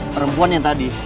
perempuan yang tadi